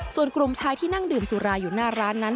ส่วนกลุ่มชายที่นั่งดื่มสุราอยู่หน้าร้านนั้น